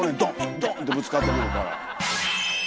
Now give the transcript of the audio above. ドン！ってぶつかってくるから。